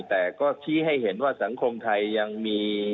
แต่ก็ชี้ให้เห็นว่าสังคมไทยยังมี